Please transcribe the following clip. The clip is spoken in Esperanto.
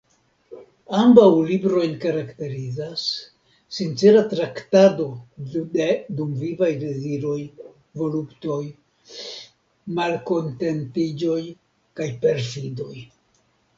Ambaŭ librojn karakterizas "sincera traktado de dumvivaj deziroj, voluptoj, malkontentiĝoj kaj perfidoj.